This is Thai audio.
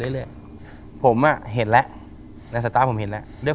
เลือด